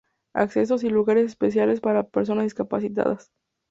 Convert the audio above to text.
Accesos y lugares especiales para personas discapacitadas.